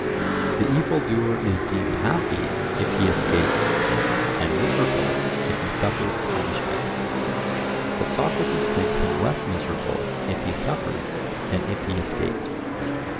The evil doer is deemed happy if he escapes, and miserable if he suffers punishment; but Socrates thinks him less miserable if he suffers than if he escapes.